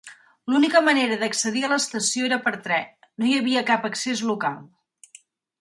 L'única manera d'accedir a l'estació era per tren; no hi havia cap accés local.